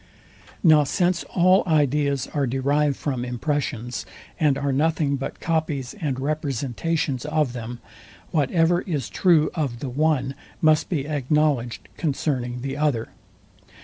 Now since all ideas are derived from impressions, and are nothing but copies and representations of them, whatever is true of the one must be acknowledged concerning the other.